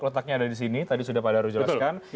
letaknya ada di sini tadi sudah pak daru jelaskan